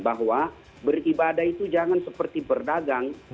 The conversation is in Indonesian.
bahwa beribadah itu jangan seperti berdagang